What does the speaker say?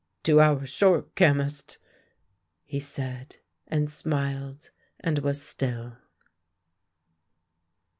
" Two hours short. Chemist !" he said, and smiled, and was Still.